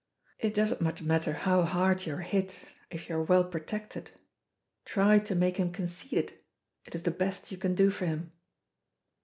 It doesn't much matter how hard you are hit if you are well protected. Try to make him conceited it is the best you can do for him."